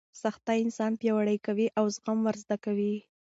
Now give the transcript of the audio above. سختۍ انسان پیاوړی کوي او زغم ور زده کوي.